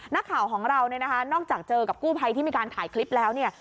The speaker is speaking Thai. นักข่าวของเราเนี่ยนะคะนอกจากเจอกับกู้ภัยที่มีการถ่ายคลิปแล้วเนี่ย